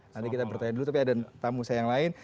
nanti kita bertanya dulu tapi ada tamu saya yang lain